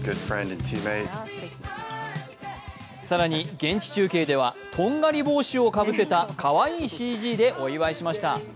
更に現地中継ではとんがり帽子をかぶせたかわいいＣＧでお祝いしました。